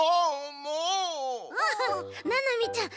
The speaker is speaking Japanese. あっななみちゃん